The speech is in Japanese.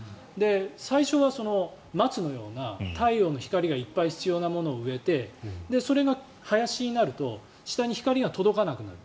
最初は松のような太陽の光がいっぱい必要なものを植えてそれが林になると下に光が届かなくなる。